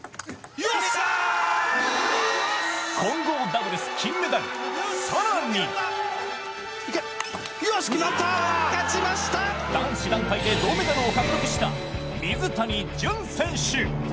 混合ダブルス金メダル、更に男子団体で銅メダルを獲得した水谷隼選手。